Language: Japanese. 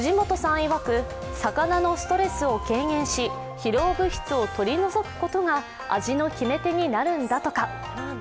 いわく魚のストレスを軽減し疲労物質を取り除くことが味の決めてになるんだとか。